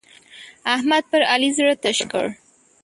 احمد پر علي زړه تش کړ.